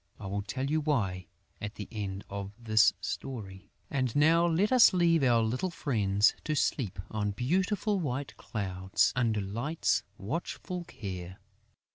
I will tell you why at the end of this story. And now let us leave our little friends to sleep on beautiful white clouds under Light's watchful care.